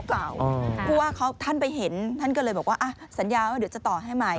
เพราะว่าท่านไปเห็นท่านก็เลยบอกว่าสัญญาว่าเดี๋ยวจะต่อให้ใหม่